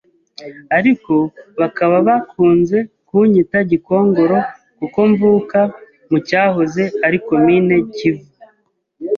ariko bakaba bakunze kunyita GIKONGORO kuko mvuka mu Cyahoze ari Commune KIVU,